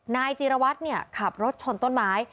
นายจีรวัตรขับรถชนต้นไม้